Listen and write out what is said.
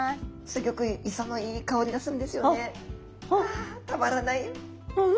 ああたまらない。